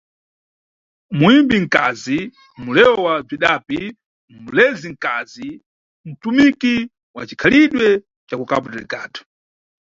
Muyimbi nkazi, muleweo wa bzwidapi, mulezi nkazi, "ntumiki" wa cikhalidwe ca kuCabo Verde.